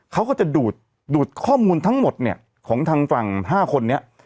เขาก็จะดูดข้อมูลทั้งหมดเนี่ยของทางฝั่ง๕คนนี้